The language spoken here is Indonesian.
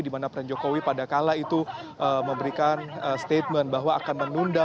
dimana presiden jokowi pada kala itu memberikan statement bahwa akan menunda